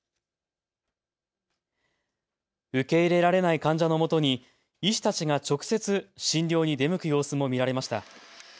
受け入れられない患者のもとに医師たちが直接、診療に出向く様子も見られました。